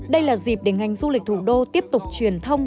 đây là dịp để ngành du lịch thủ đô tiếp tục truyền thông